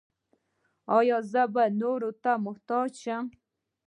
ایا زه به د نورو محتاج شم؟